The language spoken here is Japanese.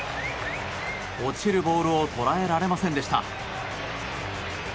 落ちるボールを捉えられませんでした。